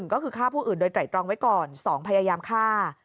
ก็คือฆ่าผู้อื่นโดยไตรตรองไว้ก่อน๒พยายามฆ่า